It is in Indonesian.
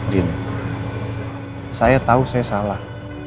din saya tahu saya salah